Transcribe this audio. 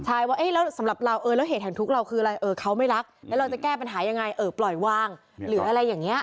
ใช่ว่าเอ๊ะแล้วสำหรับเราแล้วเหตุแห่งทุกข์เราคืออะไรเออเขาไม่รักแล้วเราจะแก้ปัญหายังไงเออปล่อยวางหรืออะไรอย่างนี้